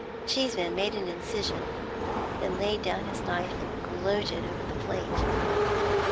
Cheeseman made an incision, then laid down his knife and gloated over his plate.